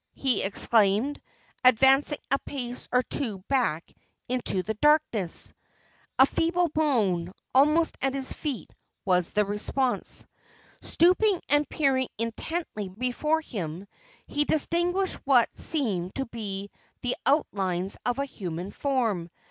he exclaimed, advancing a pace or two back into the darkness. A feeble moan, almost at his feet, was the response. Stooping and peering intently before him, he distinguished what seemed to be the outlines of a human form.